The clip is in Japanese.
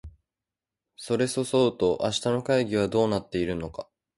それそそうと明日の会議はどうなっているのか